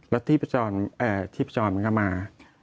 แล้วที่พจรมันก็มา